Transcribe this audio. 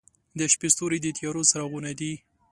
• د شپې ستوري د تیارو څراغونه دي.